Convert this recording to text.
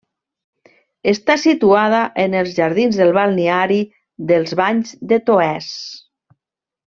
Està situada en els jardins del balneari dels Banys de Toès.